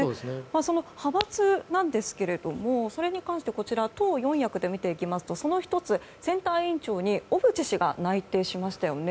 その派閥なんですがそれに関して党４役で見ていきますとその１つ、選対委員長に小渕氏が内定しましたね。